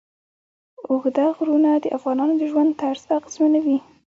اوږده غرونه د افغانانو د ژوند طرز اغېزمنوي.